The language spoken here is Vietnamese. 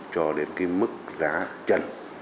cho đến mức giá trần